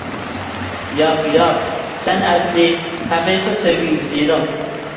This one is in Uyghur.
ياق، ياق، سەن ئەسلى ھەقىقىي سۆيگۈ ئىگىسى ئىدىڭ.